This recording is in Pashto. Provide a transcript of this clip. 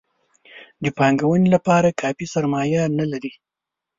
د پانګونې لپاره کافي سرمایه نه لري.